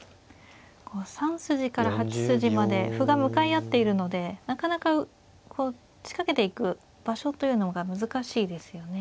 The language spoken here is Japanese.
３筋から８筋まで歩が向かい合っているのでなかなか仕掛けていく場所というのが難しいですよね。